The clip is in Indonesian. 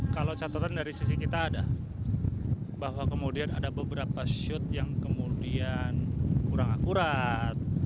kalau catatan dari sisi kita ada bahwa kemudian ada beberapa shoot yang kemudian kurang akurat